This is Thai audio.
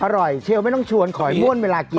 อร่อยเชียวไม่ต้องชวนขอยม่วนเวลากิน